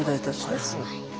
はい。